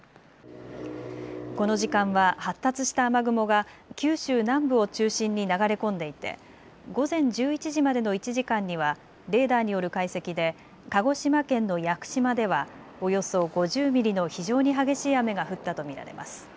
この時間は発達した雨雲が九州南部を中心に流れ込んでいて午前１１時までの１時間にはレーダーによる解析で鹿児島県の屋久島ではおよそ５０ミリの非常に激しい雨が降ったと見られます。